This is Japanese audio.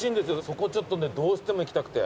そこちょっとねどうしても行きたくて。